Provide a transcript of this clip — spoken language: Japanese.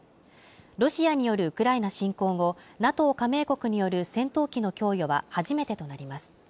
ロシアによるウクライナ侵攻後、ＮＡＴＯ加盟国による戦闘機の供与は初めてとなります。